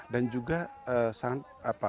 dan juga sangat berguna